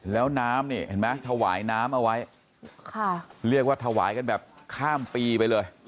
แล้วน้ำนี่เห็นไหมถวายน้ำเอาไว้ค่ะเรียกว่าถวายกันแบบข้ามปีไปเลย